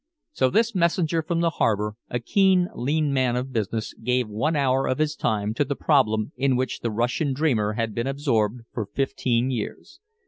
So this messenger from the harbor, a keen lean man of business, gave one hour of his time to the problem in which the Russian dreamer had been absorbed for fifteen years.